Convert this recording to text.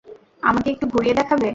আমাকে একটু ঘুরিয়ে দেখাবে?